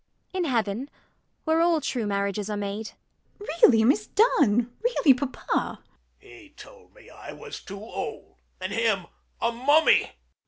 In heaven, where all true marriages are made. LADY UTTERWORD. Really, Miss Dunn! Really, papa! MANGAN. He told me I was too old! And him a mummy!